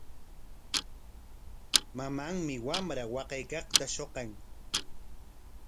Mamanmi wamra waqaykaqta shuqan.